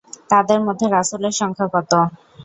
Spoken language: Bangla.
তাঁদের মধ্যে রাসূলের সংখ্যা কত?